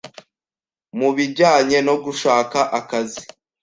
mu bijyanye no gushaka akazi,